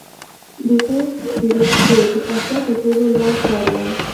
د غور فیروزکوه د اسیا تر ټولو لوړ ښار و